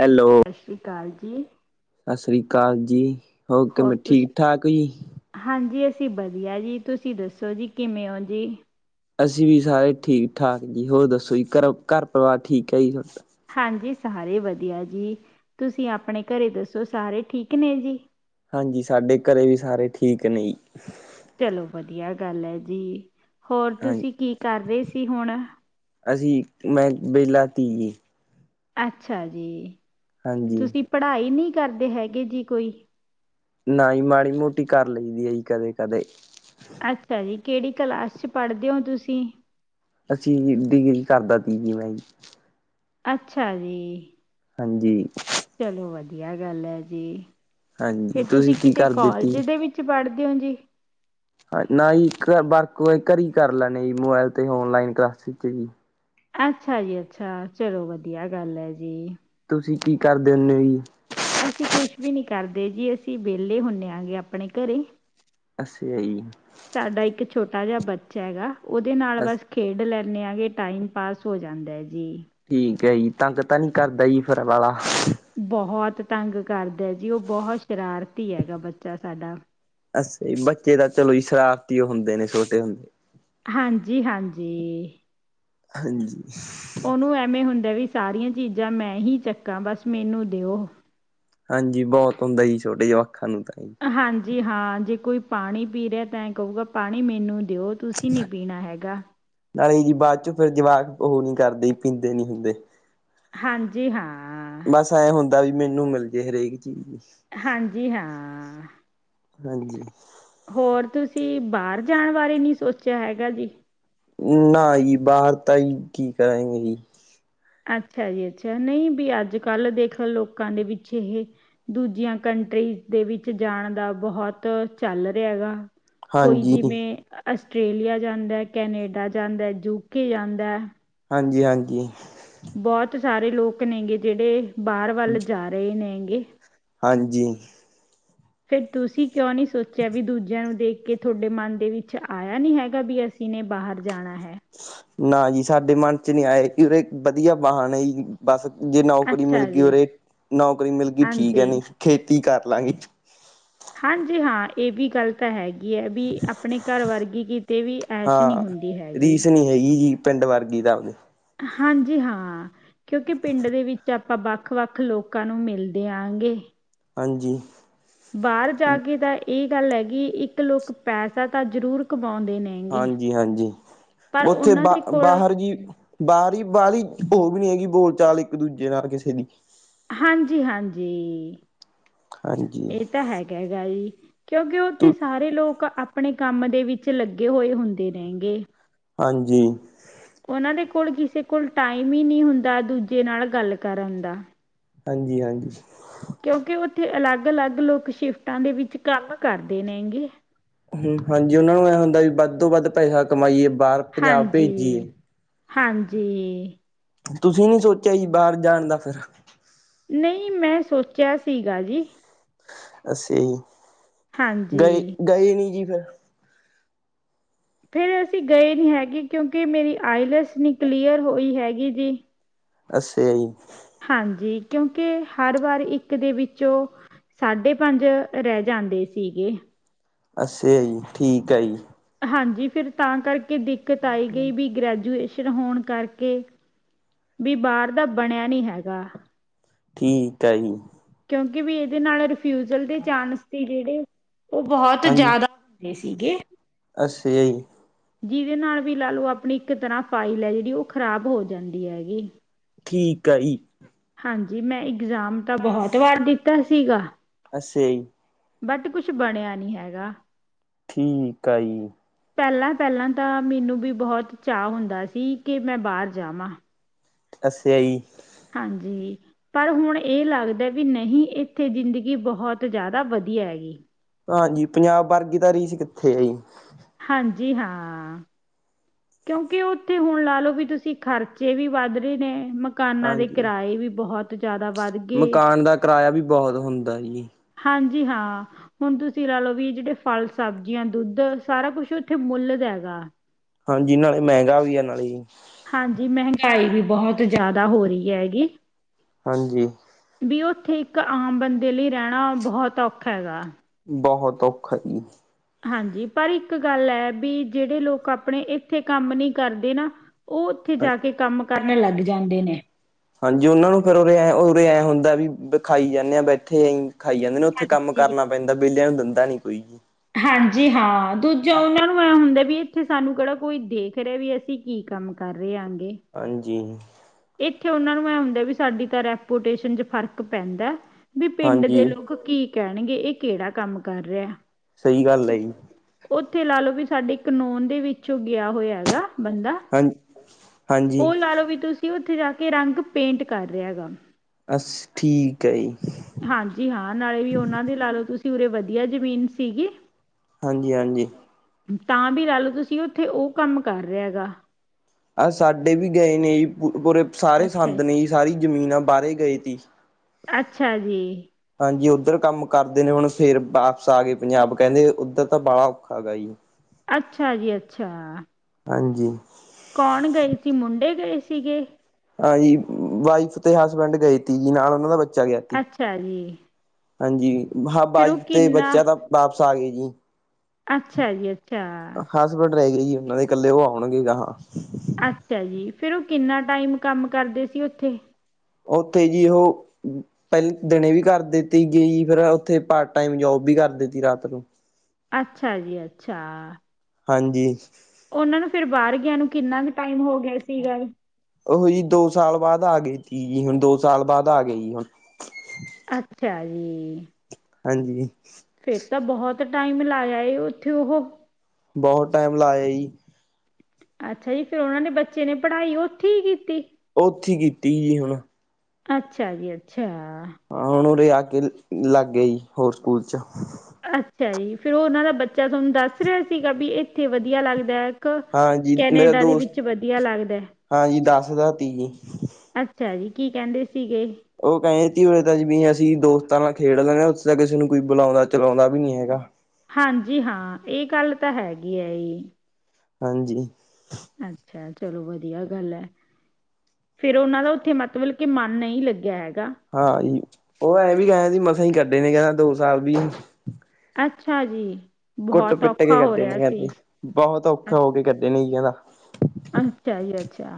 Hello. ਸਤਿ ਸ਼੍ਰੀ ਅਕਾਲ ਜੀ। ਸਤਿ ਸ੍ਰੀ ਅਕਾਲ ਜੀ, ਹੋ ਹੋਰ ਕਿਵੇਂ ਠੀਕ ਤੁਸੀਂ ਠਾਕ ਜੀ? ਹਾਂਜੀ, ਅਸੀਂ ਵਧੀਆ ਜੀ, ਤੁਸੀਂ ਦੱਸੋ ਜੀ ਕਿਵੇਂ ਹੋ ਜੀ? ਅਸੀਂ ਵੀ ਸਾਰੇ ਠੀਕ- ਠਾਕ ਜੀ, ਹੋਰ ਦੱਸੋ ਜੀ ਘਰੋਂ- ਘਰ ਪਰਿਵਾਰ ਠੀਕ ਹੈ ਜੀ ਤੁਹਾਡਾ ਹਾਂਜੀ, ਸਾਰੇ ਵਧੀਆ ਜੀ, ਤੁਸੀਂ ਆਪਣੇ ਘਰੇ ਦੱਸੋ? ਸਾਰੇ ਠੀਕ ਨੇ ਜੀ ਹਾਂਜੀ, ਸਾਡੇ ਘਰੇ ਵੀ ਸਾਰੇ ਠੀਕ ਨੇ ਜੀ। ਚਲੋ ਵਧੀਆ ਗੱਲ ਹੈ ਜੀ, ਹੋਰ ਹਾਂਜੀ ਤੁਸੀਂ ਕੀ ਕਰਦੇ ਸੀ ਹੁਣ? ਅਸੀਂ ਮੈਂ, ਵਿਹਲਾ ਟੀਵੀ। ਅੱਛਾ ਜੀ, ਹਾਂਜੀ ਤੁਸੀਂ ਪੜ੍ਹਾਈ ਨਈ ਕਰਦੇ ਹੈਗੇ ਜੀ ਕੋਈ? ਨਾ ਜੀ ਮਾੜੀ- ਮੋਟੀ ਕਰ ਲਈਦੀ ਏ ਕਦੇ- ਕਦੇ ਅੱਛਾ ਜੀ, ਕਿਹੜੀ ਕਲਾਸ 'ਚ ਪੜ੍ਹਦੇ ਹੋ ਤੁਸੀਂ? ਅਸੀਂ ਡਿਗਰੀ, ਕਰਦਾ ਪੀਜੀ ਬੈਕ ਅੱਛਾ ਜੀ। ਹਾਂਜੀ। ਚਲੋ ਵਧੀਆ ਗੱਲ ਹੈ ਜੀ, ਹਾਂਜੀ ਫੇਰ ਤੁਸੀਂ ਕੀ ਕਿਸੇ ਕਰ ਕੋਲਜ, ਦਿੱਤੀ ਦੇ ਵਿੱਚ ਤੁਸੀਂ ਪੜ੍ਹਦੇ ਹੋ ਜੀ। ਨਾ ਜੀ, ਬਾਹਰ ਘਰੀ ਕਰ ਲੈਣੇ ਜੀ, ਮੋਬਾਇਲ ਤੇ ਔਨਲਾਈਨ ਕਲਾਸਿਸ, ਚ ਜੀ ਅੱਛਾ ਜੀ ਅੱਛਾ ਚਲੋ ਵਧੀਆ ਗੱਲ ਹੈ ਜੀ ਤੁਸੀਂ ਕੀ, ਕਰਦੇ ਹੁੰਨੇ ਜੀ? ਅਸੀਂ ਕੁਛ ਵੀ ਨਈ ਕਰਦੇ ਜੀ, ਅਸੀਂ ਵਿਹਲੇ ਹੁਨੇ ਆਪਣੇ ਘਰੇ ਅੱਛਾ ਜੀ ਸਾਡਾ, ਇੱਕ ਛੋਟਾ ਜਿਹਾ ਬੱਚਾ ਹੈਗਾ ਉਹਦੇ ਨਾਲ ਅੱਛਾ। ਬਸ ਖੇਡ ਲੈਂਣੇ ਆ ਕਿ, ਟਾਈਮ ਪਾਸ ਹੋ ਜਾਂਦਾ ਜੀ ਠੀਕ ਹੈ ਜੀ, ਤੰਗ ਤਾਂ ਨਹੀਂ ਕਰਦਾ ਜੀ ਫਰ ਵਾਲਾ ਬਹੁਤ ਤੰਗ ਕਰਦਾ ਹੈ ਜੀ, ਉਹ ਬਹੁਤ ਸ਼ਰਾਰਤੀ, ਹੈਗਾ ਬੱਚਾ ਸਾਡਾ। ਅਸਾ, ਬੱਚੇ ਤਾਂ ਚਲੋ ਹੀ ਸ਼ਰਾਬਤੀ, ਹੁੰਦੇ ਨੇ ਛੋਟੇ ਹੁੰਦੇ ਹਾਂਜੀ-ਹਾਂਜੀ ਹਾਂਜੀ। ਉਹਨੂੰ ਐਵੇਂ ਹੁੰਦਾ ਵੀ ਸਾਰੀਆਂ, ਚੀਜ਼ਾਂ ਮੈਂ ਹੀ ਚੱਕਾਂ ਬਸ ਮੈਨੂੰ ਦਿਓ ਹਾਂਜੀ ਬਹੁਤ ਹੁੰਦਾ ਜੀ, ਛੋਟੇ ਜਿਹੇ ਜਵੱਕਾ ਨੂੰ ਤਾਂ ਹਾਂਜੀ ਹਾਂ, ਜੇ ਕੋਈ ਪਾਣੀ ਪੀ ਰਿਹਾ, ਤਾਂ ਐ ਕਹੂਗਾ, ਪਾਣੀ ਮੈਨੂੰ ਦਿਓ ਤੁਸੀਂ ਨਈ, ਪੀਣਾ ਹੈਗਾ। ਨਾਲੇ ਜੀ, ਬਾਅਦ ਚ ਫਿਰ ਜਵਾਕ ਉਹ ਨਈ, ਕਰਦੇ ਪੀਂਦੇ ਨਈ ਹੁੰਦੇ ਹਾਂਜੀ ਹਾਂ। ਬਸ ਐਂ ਹੁੰਦਾ ਵੀ, ਮੈਨੂੰ ਮਿਲ ਜੇ ਹਰੇਕ ਚੀਜ਼ ਹਾਂਜੀ ਹਾਂ। ਹਾਂਜੀ ਹੋਰ ਤੁਸੀਂ, ਬਾਹਰ ਜਾਣ ਬਾਰੇ ਨਈ ਸੋਚਿਆ ਹੈਗਾ ਜੀ? ਨਾ ਜੀ ਬਾਹਰ ਤਾਂ, ਹੀ ਕੀ ਕਰਾਗੇ ਜੀ ਅੱਛਾ ਜੀ ਅੱਛਾ, ਨਈ ਜੀ ਅੱਜ- ਕੱਲ੍ਹ ਦੇਖੋ ਲੋਕਾਂ ਦੇ ਪਿੱਛੇ ਇਹ ਦੂਜੀਆਂ, ਕੰਟਰੀਜ਼ ਦੇ ਵਿੱਚ ਜਾਣ ਦਾ, ਬਹੁਤ ਚੱਲ ਰਿਹਾ ਹੈਗਾ ਕੋਈ ਹਾਂਜੀ ਜਿਵੇਂ, ਆਸਟ੍ਰੇਲੀਆ ਜਾਂਦਾ, ਕੈਨੇਡਾ ਜਾਂਦਾ, ਯੂਕੇ ਜਾਂਦਾ ਹਾਂਜੀ -ਹਾਂਜੀ ਬੋਤ ਸਾਰੇ ਲੋਕ ਨੇਗੇ ਜੇੜੇ ਬਾਰ ਵੱਲ ਜਾ ਰੇ ਨੇਗੇ। ਹਾਂਜੀ। ਫੇਰ ਤੁਸੀਂ ਕਯੋਂ ਨੀ ਸੋਚੇਆ ਵੀ ਦੂਜਿਆਂ ਨੂੰ ਦੇਖ ਕੇ ਥੋਡੇ ਮਨ ਦੇ ਵਿੱਚ ਆਇਆ ਨਹੀਂ ਹੈਗਾ ਵੀ ਅਸ ਸੀ ਨੇ ਬਾਹਰ ਜਾਣਾ ਹੈ। ਨਾ ਜੀ ਸਾਡੇ ਮਨ 'ਚ ਨੀ ਆਏ ਕਿਧਰੇ ਵਦੀਆ ਵਾਹਨ ਐ ਜੀ। ਬਸ ਜੇ ਨੌਕਰੀ ਮਿਲ ਅੱਛਾ ਗੀ ਜੀ ਉਰੇ, ਨੌਕਰੀ ਮਿਲ ਗਈ ਠੀਕ ਐ, ਨਈ ਹਾਂਜੀ ਖੇਤੀ ਕਰ ਲਾਂਗੇ। ਹਾਂਜੀ ਹਾਂ ਏ ਵੀ ਗੱਲ ਤਾਂ ਹੈਗੀ ਐ ਵੀ ਆਪਣੇ ਘਰ ਵਰਗੀ ਕਿਤੇ ਵੀ ਐਸ਼ ਨੀ ਹੁੰਦੀ ਹੈਗੀ। ਹੈਹੀ ਜੀ, ਪਿੰਡ ਵਰਗੀ ਦਾ [unintelligible] ਹਾਂਜੀ ਹਾਂ ਕਯੋਂਕਿ ਪਿੰਡ ਦੇ ਵਿੱਚ ਆਪ ਪਾਂ ਵੱਖ-ਵੱਖ ਲੋਕਾਂ ਨੂੰ ਮਿਲਦੇ ਆਂਗੇ। ਹਾਂਜੀ। ਬਾਰ ਜਾ ਕੇ ਤਾਂ ਐ ਗੱਲ ਹੈਗੀ ਇੱਕ ਲੋਕ ਪੈਸਾ ਤਾਂ ਜ਼ਰੂਰ ਕਮਾਉਂਦੇ ਨੇ ਹਾਂਜੀ-ਹਾਂਜੀ, ਉੱਥੇ ਬ ਦੇ ਕੋਲ ਬਾਹਰ ਜੀ ਬਾਹਰੀ ਬਾਹਲੀ ਓ ਵੀ ਨਹੀਂ ਹੈਗੀ ਬੋਲ ਚਾਲ ਇੱਕ ਦੂਜੇ ਨਾਲ ਕਿਸੇ ਦੀ। ਹਾਂਜੀ-ਹਾਂਜੀ। ਹਾਂਜੀ ਏ ਤਾਂ ਹੈਗਾ ਹੈਗਾ ਜੀ, ਕਿਉਂਕਿ ਤ ਓਥੇ ਸਾਰੇ ਲੋਕ ਆਪ ਆਪਣੇ ਕੰਮ ਦੇ ਵਿੱਚ ਲੱਗੇ ਹੋਏ ਹੁੰਦੇ ਨੇਗੇ। ਹਾਂਜੀ। ਓਨਾਂ ਦੇ ਕੋਲ ਕਿਸੇ ਕੋਲ ਟਾਈਮ ਈ ਨੀ ਹੁੰਦਾ ਦੂਜੇ ਨਾਲ ਗੱਲ ਕਰਨ ਦਾ। ਹਾਂਜੀ-ਹਾਂਜੀ। ਕਿਉਂਕਿ ਓਥੇ ਅਲੱਗ-ਅਲੱਗ ਲੋਕ ਸ਼ਿਫਟਾਂ ਦੇ ਵਿੱਚ ਕੰਮ ਕਰਦੇ ਨੇਗੇ। ਹੂੰ, ਹਾਂਜੀ ਓਨਾਂ ਨੂੰ ਐ ਹੁੰਦਾ ਵੀ ਵੱਧ ਤੋਂ ਵੱਧ ਪੈਸਾ ਕਮਾਈਏ ਬਾਰ। ਹਾਂਜੀ, ਹਾਂਜੀ। ਤੁਸੀਂ ਨੀ ਸੋਚੇਆ ਜੀ ਬਾਰ ਜਾਣ ਦਾ ਫਿਰ? ਨਈ ਮੈਂ ਸੋਚੇਆ ਸੀਗਾ ਜੀ। ਅਸੀਂ, ਗਏ, ਹਾਂਜੀ ਗਏ ਨੀ ਜੀ ਫਿਰ। ਫੇਰ ਅਸੀਂ ਗਏ ਨਈ ਹੈਗੇ ਕਿਉਂਕਿ ਮੇਰੀ ਆਈਲੈਸ ਨੀ ਕਲੀਅਰ ਹੋਈ ਹੈਗੀ ਜੀ। ਅਸਯਾ ਜੀ। ਹਾਂਜੀ, ਕਿਉਂਕਿ ਹਰ ਵਾਰ ਇੱਕ ਦੇ ਵਿੱਚੋਂ ਸਾਢੇ ਪੰਜ ਰੈ ਜਾਂਦੇ ਸੀਗੇ। ਅਸਯਾ ਜੀ, ਠੀਕ ਐ ਜੀ। ਹਾਂਜੀ ਫਿਰ ਤਾਂ ਕਰਕੇ ਦਿੱਕਤ ਆਈ ਗਈ ਵੀ ਗ੍ਰੈਜੂਏ ਸ਼ਨ ਹੋਣ ਕਰਕੇ ਬੀ ਬਾਰ ਦਾ ਬਣਿਆ ਨੀ ਹੈਗਾ। ਠੀਕ ਐ ਜੀ। ਕਿਉਂਕਿ ਵੀ ਏਦੇ ਨਾਲ ਰਿਫਿਊਜਲ ਦੇ ਚਾਂਸ ਸੀ ਜੇੜੇ ਓ ਬੋਹਤ ਜਾਦਾ ਦੇ ਸੀਗੇ। ਅਸਯਾ ਜੀ। ਜਿਦੇ ਨਾਲ ਵੀ ਲਾ ਲੋ ਆਪਣੀ ਇੱਕ ਤਰ੍ਹਾਂ ਫਾਈਲ ਐ ਜੇੜੀ ਓ ਖ਼ਰਾਬ ਹੋ ਜਾਂਦੀ ਹੈਗੀ। ਠੀਕ ਆ ਈ। ਹਾਂਜੀ, ਮੈਂ ਇਗਜ਼ਾਮ ਤਾਂ ਬੋਹਤ ਵਾਰ ਦਿੱਤਾ ਸੀਗਾ। ਅਸਯਾ ਜੀ। ਬਟ ਕੁੱਛ ਬਣਿਆ ਨੀ ਹੈਗਾ। ਠੀਕ ਆ ਜੀ। ਪੈਲਾਂ-ਪੈਲਾਂ ਤਾਂ ਮੈਨੂੰ ਵੀ ਬੋਹਤ ਚਾਅ ਹੁੰਦਾ ਸੀ ਕਿ ਮੈਂ ਬਾਰ ਜਾਵਾਂ। ਅੱਸਆ ਈ। ਹਾਂਜੀ। ਪਰ ਹੁਨ ਏ ਲੱਗਦੈ ਵੀ ਨਹੀਂ ਏਥੇ ਜ਼ਿੰਦਗੀ ਬਹੁਤ ਜਾਦਾ ਵਧੀਆ ਹੈਗੀ। ਹਾਂਜੀ, ਪੰਜਾਬ ਬਾਰਗੀ ਦਾ ਰੀਸ ਕਿੱਥੇ ਏ ਜੀ। ਹਾਂਜੀ ਹਾਂ। ਕਿਉਂਕਿ ਉੱਥੇ ਹੁਨ ਲਾ ਲੋ ਵੀ ਤੁਸੀਂ ਖਰਚੇ ਵੀ ਵੱਧ ਰਏ ਨੇ ਮਕਾਨਾਂ ਦੇ ਹਾਂਜੀ ਕਿਰਾਏ ਵੀ ਬਹੁਤ ਜਾਦਾ ਵਧ ਮਕਾਨ ਦਾ ਕਿਰਾਇਆ ਵੀ ਬਹੁਤ ਹੁੰਦਾ ਜੀ। ਹਾਂਜੀ ਹਾਂ। ਹੁਨ ਤੁਸੀਂ ਲਾ ਲੋ ਵੀ ਜੇੜੇ ਫਲ, ਸਬਜ਼ੀਆਂ, ਦੁੱਧ ਸਾਰਾ ਕੁੱਛ ਉੱਥੇ ਮੁੱਲ ਦਾ ਹੈਗਾ। ਹਾਂਜੀ ਨਾਲੇ ਮੈਂਗਾ ਵੀ ਆ ਨਾਲੇ ਜੀ। ਹਾਂਜੀ ਮਹਿੰਗਾਈ ਵੀ ਬਹੁਤ ਜਾਦਾ ਹੋ ਰਹੀ ਹੈਗੀ। ਹਾਂਜੀ। ਵੀ ਉੱਥੇ ਇੱਕ ਆਮ ਬੰਦੇ ਲਈ ਰੈਣਾ ਬਹੁਤ ਔਖਾ ਹੈਗਾ। ਬਹੁਤ ਔਖਾ ਜੀ। ਹਾਂਜੀ ਪਰ ਇੱਕ ਗੱਲ ਐ, ਬੀ ਜੇੜੇ ਲੋਕ ਆਪਣੇ ਇੱਥੇ ਕੰਮ ਨੀ ਕਰਦੇ ਨਾ ਉ ਉੱਥੇ ਜਾ ਕੇ ਕੰਮ ਕਰਨੇ ਲੱਗ ਜਾਂਦੇ ਨੇ। ਹਾਂਜੀ ਉਨਾ ਨੂੰ ਫੇਰ ਉਰੇ ਐ- ਉਰੇ ਐ ਹੁੰਦਾ ਵੀ ਖਾਈ ਜਾਂਨੇ ਆ ਬੈਠੇਂ ਖਾਈ ਜਾਂਦੇ ਨੇ। ਉੱਥੇ ਕੰਮ ਜੀ ਕਰਨਾ ਪੈਂਦਾ ਬੇਲੇਆਂ ਨੂੰ ਦਿੰਦਾ ਨੀ ਕੋਈ ਜੀ। ਹਾਂਜੀ ਹਾਂ, ਦੂਜਾ ਉਨਾਂ ਨੂੰ ਐ ਹੁੰਦਾ ਵੀ ਇੱਥੇ ਸਾਨੂੰ ਕੇੜਾ ਕੋਈ ਦੇਖ ਰਿਆ ਵੀ ਅਸੀਂ ਕੀ ਕੰਮ ਕਰ ਰਹੇਗੇ। ਹਾਂਜੀ। ਇੱਥੇ ਉਨਾਂ ਨੂੰ ਐ ਹੁੰਦਾ ਵੀ ਸਾਡੀ ਤਾਂ ਰੈਪੂਟੇਸ਼ਨ ਚ ਫ਼ਰਕ ਪੈਂਦੈ, ਵੀ ਪਿੰਡ ਹਾਂਜੀ ਦੇ ਲੋਕ ਕੀ ਕੈਣਗੇ ਏ ਕੇੜਾ ਕੰਮ ਕਰ ਰਿਹਾ ਹੈ। ਸਈ ਗੱਲ ਏ ਜੀ। ਉੱਥੇ ਲਾ ਲੋ ਵੀ ਸਾਡੇ ਏਕ ਨੋਨ ਦੇ ਵਿੱਚੋਂ ਗਿਆ ਹੋਇਆ ਹੈਗਾ ਬੰਦਾ ਹਾਂ ਉ ਹਾਂਜੀ ਲਾ ਲੋ ਵੀ ਤੁਸੀਂ ਉੱਥੇ ਜਾ ਕੇ ਰੰਗ ਪੇਂਟ ਕਰ ਰਿਆ ਹੈਗਾ। ਬਸ ਠੀਕ ਏ ਜੀ। ਹਾਂਜੀ ਹਾਂ ਨਾਲੇ ਵੀ ਉਨਾਂ ਦੇ ਲਾ ਲੋ ਤੁਸੀਂ ਉਰੇ ਵਧੀਆ ਜ਼ਮੀਨ ਸੀਗੀ। ਹਾਂਜੀ- ਹਾਂਜੀ। ਤਾਂ ਵੀ ਲਾ ਲੋ ਤੁਸੀਂ ਉੱਥੇ ਉ ਕੰਮ ਕਰ ਰੇਆ ਹੈਗਾ। ਆਹ ਸਾਡੇ ਵੀ ਗਏ ਨੇ ਜੀ ਪੂਰੇ ਸਾਰੇ ਸੰਦ ਨੇ ਜੀ ਸਾਰੀ ਜ਼ਮੀਨ ਆ ਬਾਰੇ ਗਏ ਸੀ। ਅੱਛਾ ਜੀ। ਹਾਂਜੀ ਉੱਧਰ ਕੰਮ ਕਰਦੇ ਨੇ ਹੁਣ ਫੇਰ ਵਾਪਸ ਆ ਗਏ ਪੰਜਾਬ ਕੈਂਦੇ ਉੱਧਰ ਤਾਂ ਬਾੜਾ ਔਖਾ ਹੈਗਾ ਜੀ। ਅੱਛਾ ਜੀ ਅੱਛਾ। ਹਾਂਜੀ। ਕੌਣ ਗਏ ਸੀ ਮੁੰਡੇ ਗਏ ਸੀਗੇ। ਹਾਂਜੀ, ਵਾਈਫ ਤੇ ਹਸਬੈਂਡ ਗਏ ਤੀ ਜੀ ਨਾਲ ਉਨਾਂ ਦਾ ਬੱਚਾ ਗਿਆ। ਅੱਛਾ ਜੀ ਹਾਂਜੀ ਹਾਂ ਫਿਰ ਉਹ ਵਾਈਫ ਤੇ ਕਿੰਨਾ ਬੱਚਾ ਤਾਂ ਵਾਪਸ ਆ ਗਏ ਜੀ। ਅੱਛਾ ਜੀ ਅੱਛਾ। ਹਸਬੈਂਡ ਰੈ ਗਏ ਜੀ ਉਨਾਂ ਦੇ ਕੱਲੇ ਉ ਆਉਣਗੇ ਗਾਹਾਂ। ਅੱਛਾ ਜੀ ਫੇਰ ਉ ਕਿੰਨਾ ਟਾਈਮ ਕੰਮ ਕਰਦੇ ਸੀ ਉੱਥੇ? ਉੱਥੇ ਜੀ ਉਹ ਪੈਲੇ ਦਿਨੇ ਵੀ ਕਰ ਦਿੱਤੀ ਗਈ ਫੇਰ ਉੱਥੇ ਪਾਰਟ ਟਾਈਮ ਜੋਬ ਵੀ ਕਰ ਦਿੱਤੀ ਰਾਤ ਨੂੰ। ਅੱਛਾ ਜੀ ਅੱਛਾ। ਹਾਂਜੀ। ਉਹਨਾਂ ਨੂੰ ਫਿਰ ਬਾਹਰ ਗਿਆ ਨੂੰ ਕਿੰਨਾ ਵੀ ਟਾਈਮ ਹੋ ਗਿਆ ਸੀਗਾ। ਉਹੋ ਜੀ ਦੋ ਸਾਲ ਬਾਅਦ ਆ ਗਏ ਸੀ ਜੀ, ਹੁਣ ਦੋ ਸਾਲ ਬਾਅਦ ਆ ਗਏ ਜੀ ਹੁਣ। ਅੱਛਾ ਜੀ। ਹਾਂਜੀ। ਫੇਰ ਤਾਂ ਬਹੁਤ ਟਾਈਮ ਲਾ ਆਏ ਉੱਥੇ ਓਹੋ। ਬਹੁਤ ਟਾਈਮ ਲਾ ਆਏ ਜੀ। ਅੱਛਾ ਜੀ! ਫਿਰ ਉਹਨਾਂ ਦੇ ਬੱਚੇ ਨੇ ਪੜ੍ਹਾਈ ਉੱਥੇ ਈ ਕੀਤੀ। ਉੱਥੇ ਈ ਕੀਤੀ ਜੀ ਐ ਹੁਣ। ਅੱਛਾ ਜੀ! ਅੱਛਾ! ਹਾਂ! ਹੁਣ ਉਰੇ ਆ ਕੇ ਲੱਗ ਗਏ ਜੀ ਹੋਰ ਸਕੂਲ 'ਚ। ਅੱਛਾ ਜੀ! ਫੇਰ ਉਹ ਉਹਨਾਂ ਦਾ ਬੱਚਾ ਤੁਹਾਨੂੰ ਦੱਸ ਰਿਹਾ ਸੀਗਾ, ਬੀ ਏਥੇ ਵਧੀਆ ਲੱਗਦਾ। ਕ ਹਾਂਜੀ ਮੇਰਾ ਕੈਨੇਡਾ ਦੇ ਦੋਸਤ ਵਿੱਚ ਵਧੀਆ ਲੱਗਦਾ ਹੈ। ਹਾਂਜੀ ਦੱਸਦਾ ਤੀ ਜੀ ਅੱਛਾ ਜੀ! ਕੀ ਕਹਿੰਦੇ ਸੀਗੇ। ਉਹ ਕਹਿੰਦੇ ਤੀ ਉਰੇ ਤਾਂ ਜਿਵੇਂ ਅਸੀਂ ਦੋਸਤਾਂ ਨਾਲ ਖੇਡ ਲੈਂਨੇ ਹਾਂ, ਉੱਥੇ ਤਾਂ ਕਿਸੇ ਨੂੰ ਕੋਈ ਬੁਲਾਉਂਦਾ ਚਲਾਉਂਦਾ ਵੀ ਨੀ ਹੈਗਾ। ਹਾਂਜੀ! ਹਾਂ! ਇਹ ਗੱਲ ਤਾਂ ਹੈਗੀ ਹੈ ਜੀ। ਹਾਂਜੀ! ਅੱਛਾ! ਚਲੋ ਵਧੀਆ ਗੱਲ ਹੈ। ਫੇਰ ਉਹਨਾਂ ਦਾ ਉੱਥੇ ਮਤਲਬ ਕੇ, ਮਨ ਨਹੀਂ ਲੱਗਿਆ ਹੈਗਾ। ਹਾਂਜੀ! ਉਹ ਐਂ ਵੀ ਕਹਿੰਦੇ ਸੀ ਮਸੇ ਹੀ ਕੱਢੇ ਨੇ, ਕਹਿੰਦਾ ਦੋ ਸਾਲ ਵੀ। ਅੱਛਾ ਜੀ! ਕੁੱਟ- ਬਹੁਤ ਪਿੱਟ ਕੇ ਔਖਾ ਹੋ ਕੱਢੇ ਨੇ ਰਿਹਾ ਕਹਿੰਦੇ, ਸੀ ਬਹੁਤ ਔਖੇ ਹੋ ਕੇ ਕੱਢੇ ਨੇ ਜੀ ਕਹਿੰਦਾ। ਅੱਛਾ ਜੀ! ਅੱਛਾ!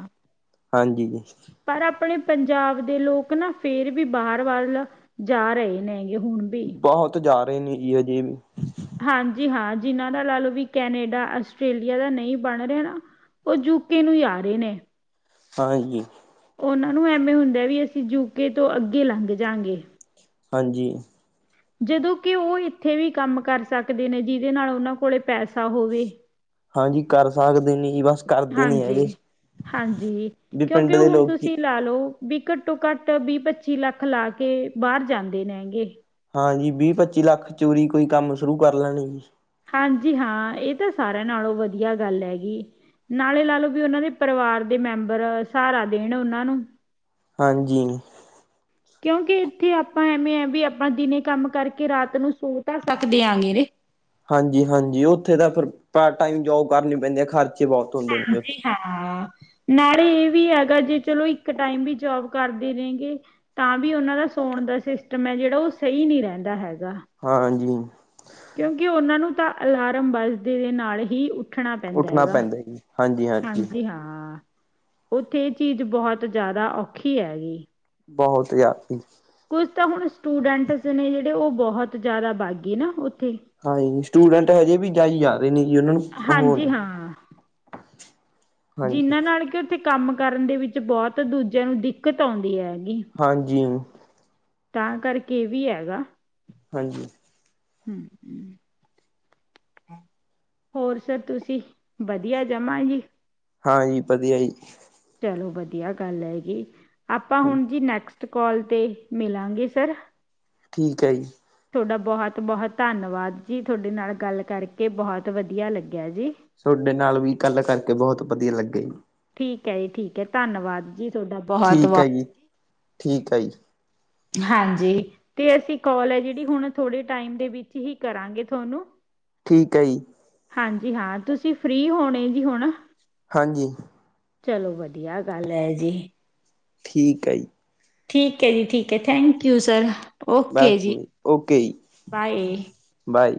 ਹਾਂਜੀ! ਜੀ ਪਰ ਆਪਣੇ ਪੰਜਾਬ ਦੇ ਲੋਕ ਨਾ ਫੇਰ ਵੀ ਬਾਹਰ ਵੱਲ ਜਾ ਰਹੇ ਨੇ ਗੇ ਹੁਣ। ਵੀ ਬਹੁਤ ਜਾ ਰਹੇ ਨੇ ਜੀ, ਅਜੇ ਵੀ। ਹਾਂਜੀ! ਹਾਂ! ਜਿਨਾਂ ਦਾ ਲਾ ਲਓ ਵੀ ਕੈਨੇਡਾ, ਆਸਟ੍ਰੇਲੀਆ ਦਾ ਨਹੀਂ ਬਣ ਰੇਯਾ ਨਾ। ਉਹ ਯੂਕੇ ਨੂੰ ਜਾ ਰਹੇ ਨੇ। ਹਾਂਜੀ! ਉਹਨਾਂ ਨੂੰ ਐਵੇਂ ਹੁੰਦਾ ਵੀ ਅਸੀਂ ਯੂਕੇ ਤੋਂ ਅੱਗੇ ਲੰਘ ਜਾਗੇ। ਹਾਂਜੀ! ਜਦੋਂ ਕਿ ਉਹ ਇੱਥੇ ਵੀ ਕੰਮ ਕਰ ਸਕਦੇ ਨੇ, ਜਿਹਦੇ ਨਾਲ ਉਹਨਾਂ ਕੋਲੇ ਪੈਸਾ ਹੋਵੇ। ਹਾਂਜੀ! ਕਰ ਸਕਦੇ ਨੇ ਜੀ, ਬਸ ਕਰਦੇ ਨੀ ਹਾਂਜੀ ਹੈਗੇ। ਹਾਂਜੀ! ਵੀ ਕਿਉਂਕੇ ਪਿੰਡ ਦੇ ਹੁਣ ਲੋਕੀ ਤੁਸੀਂ ਲਾ ਲਓ। ਵੀ ਘੱਟੋ- ਘੱਟ ਵੀਹ- ਪੱਚੀ ਲੱਖ ਲਾ ਕੇ ਬਾਹਰ ਜਾਂਦੇ ਨੇ ਹੈਗੇ। ਹਾਂਜੀ! ਵੀਹ- ਪੱਚੀ ਲੱਖ 'ਚ ਉਰੀ ਕੋਈ ਕੰਮ ਸ਼ੁਰੂ ਕਰ ਲੈਣ ਜੀ। ਹਾਂਜੀ! ਹਾਂ! ਇਹ ਤਾਂ ਸਾਰਿਆਂ ਨਾਲੋਂ ਵਧੀਆ ਗੱਲ ਹੈਗੀ। ਨਾਲੇ ਲਾ ਲਓ ਵੀ ਉਹਨਾਂ ਦੇ ਪਰਿਵਾਰ ਦੇ ਮੈਂਬਰ, ਸਹਾਰਾ ਦੇਣ ਉਹਨਾਂ ਨੂੰ। ਹਾਂਜੀ! ਕਿਉਂਕਿ ਇੱਥੇ ਆਪਾਂ ਐਵੇਂ ਐ, ਵੀ ਆਪਾਂ ਦਿਨੇ ਕੰਮ ਕਰਕੇ ਰਾਤ ਨੂੰ ਸੌ ਤਾਂ ਸਕਦੇ ਆਂਗੇ। ਹਾਂਜੀ! ਹਾਂਜੀ! ਉੱਥੇ ਤਾਂ ਫਿਰ ਪਾਰਟ ਟਾਈਮ ਜੋਬ ਕਰਨੇ ਪੈਂਦੇ ਆ, ਖ਼ਰਚੇ ਬਹੁਤ ਹੁੰਦੇ ਨੇ ਜੀ ਉਥੇ। ਹਾਂਜੀ ਹਾਂ! ਨਾਲੇ ਇਹ ਵੀ ਹੈਗਾ, ਜੇ ਚਲੋ ਇੱਕ ਟਾਈਮ ਵੀ ਜੋਬ ਕਰਦੇ ਨੇ ਗੇ। ਤਾਂ ਵੀ ਉਹਨਾਂ ਦਾ ਸੌਣ ਦਾ ਸਿਸਟਮ ਹੈ ਜਿਹੜਾ ਉਹ ਸਹੀ ਨਹੀਂ ਰਹਿੰਦਾ ਹੈਗਾ‌। ਹਾਂਜੀ! ਕਿਉਂਕਿ ਉਹਨਾਂ ਨੂੰ ਤਾਂ ਅਲਾਰਮ ਵਜਦੇ ਦੇ ਨਾਲ ਹੀ। ਉੱਠਣਾ ਉੱਠਣਾ ਹੈਗਾ ਪੈਂਦਾ ਜੀ। ਹਾਂਜੀ ਹਾਂ ਉੱਥੇ ਏ ਚੀਜ਼ ਬੋਹਤ ਜਾਦਾ ਔਖੀ ਹੈਗੀ। ਬੋਹਤ ਜ [unintelligible] ਕੁਝ ਤਾਂ ਹੁਣ ਸਟੂਡੈਂਟਸ ਨੇ ਜੇੜੇ ਓ ਬੋਹਤ ਜਾਦਾ ਬਾਗੇ ਨਾ ਓਥੇ। ਹਾਂਜੀ। ਸਟੂਡੈਂਟ ਹਜੇ ਵੀ ਜਾਈ ਜਾ ਰੇ ਨੇ ਜੀ ਉਨਾਂ ਨੂੰ ਉਹ ਹਾਂਜੀ ਨੇ [inaudible] ਜਿਨਾਂ ਨਾਲ ਕੀ ਉੱਥੇ ਕੰਮ ਕਰਨ ਦੇ ਵਿੱਚ ਬੋਤ ਦੂਜਿਆਂ ਨੂੰ ਦਿੱਕਤ ਔਂਦੀ ਹੈਗੀ। ਹਾਂਜੀ। ਤਾਂ ਕਰਕੇ ਏ ਵੀ ਹੈਗਾ। ਹਾਂਜੀ। ਹੂੰ-ਹੂੰ ਹੋਰ ਸਰ ਤੁਸੀਂ ਵਧੀਆ ਜਮਾਂ ਜੀ। ਹਾਂਜੀ, ਵਧੀਆ ਜੀ। ਚਲੋ ਵਧੀਆ ਗੱਲ ਐ ਗੀ ਆਪਾਂ ਹੁਣ ਜੀ ਨੈਕਸਟ ਕੋਲ ਤੇ ਮਿਲਾਂਗੇ ਸਰ। ਠੀਕ ਐ ਜੀ। ਥੋਡਾ ਬੋਹਤ-ਬੋਹਤ ਧੰਨਵਾਦ ਜੀ। ਤੁਹਾਡੇ ਨਾਲ ਗੱਲ ਕਰਕੇ ਬੋਹਤ ਵਧੀਆ ਲੱਗਿਆ ਜੀ। ਸੋਡੇ ਨਾਲ ਵੀ ਗੱਲ ਕਰਕੇ ਬੋਹਤ ਵਧੀਆ ਲੱਗਿਆ ਜੀ। ਠੀਕ ਐ ਜੀ ਠੀਕ ਐ, ਧੰਨਵਾਦ ਜੀ ਥੋਡਾ ਠੀਕ ਐ ਜੀ, ਠੀਕ ਐ ਜੀ। ਹਾਂਜੀ। ਤੇ ਅਸੀਂ ਕੋਲ ਐ ਜੇੜੀ ਹੁਣ ਥੋੜੇ ਟਾਈਮ ਦੇ ਵਿੱਚ ਹੀ ਕਰਾਂਗੇ ਥੋਨੂੰ‌। ਠੀਕ ਐ ਜੀ। ਹਾਂਜੀ ਹਾਂ ਤੁਸੀਂ ਫ੍ਰਰੀ ਹੋਣੇ ਜੀ ਹੁਣ? ਹਾਂਜੀ। ਚਲੋ ਵਧੀਆ ਗੱਲ ਐ ਜੀ। ਠੀਕ ਐ ਜੀ। ਠੀਕ ਐ ਜੀ ਠੀਕ ਐ ਥੈਂਕ ਯੂ ਸਰ। ਬੈਲ ਓਕੇ ਜੀ ਕਮ ਓਕੇ ਜੀ, ਬਾਏ ਬਾਏ।